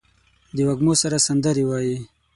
د وږمو سره سندرې وايي